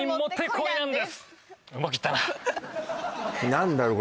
何だろう